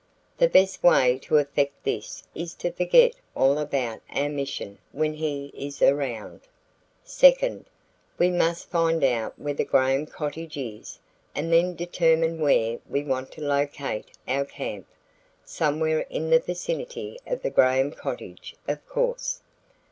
The best way to effect this is to forget all about our mission when he is around. "Second, we must find out where the Graham cottage is and then determine where we want to locate our camp somewhere in the vicinity of the Graham cottage, of course."